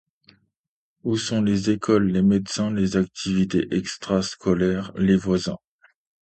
Où sont les écoles, les médecins, les activités extrascolaires, les voisins ?